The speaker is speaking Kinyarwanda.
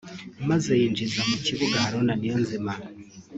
maze yinjiza mu kibuga Haruna Niyonzima